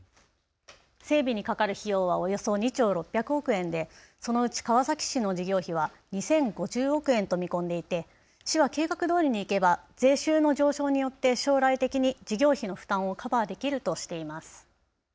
整備にかかる費用はおよそ２兆６００億円でそのうち川崎市の事業費は２０５０億円と見込んでいて市は計画どおりに行けば税収の上昇によって将来的に事業費の負担をカバーできるとしています。